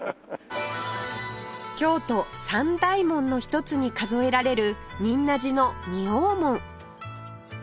京都三大門の一つに数えられる仁和寺の二王門